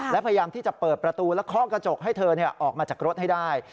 และพยายามที่จะเปิดประตูและเคาะกระจกให้เธอออกมาจากรถให้ได้